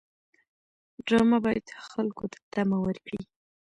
ډرامه باید خلکو ته تمه ورکړي